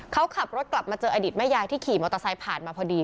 เขาขับรถกลับมาเจออดีตแม่ยายที่ขี่มอเตอร์ไซค์ผ่านมาพอดี